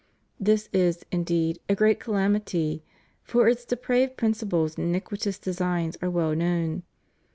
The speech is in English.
This is, indeed, a great calamity: for its depraved princi ples and iniquitous designs are well known.